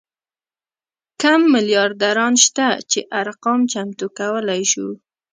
کم میلیاردران شته چې ارقام چمتو کولی شو.